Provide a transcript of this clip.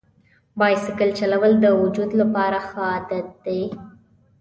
بایسکل چلول د وجود لپاره ښه عادت دی.